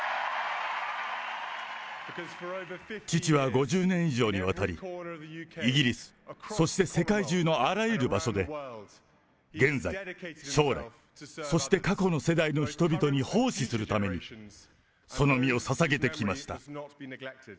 父は５０年以上にわたり、イギリス、そして世界中のあらゆる場所で、現在、将来、そして過去の世代の人々に奉仕するためにその身をささげてきました。